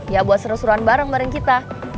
ya buat seru seruan bareng bareng kita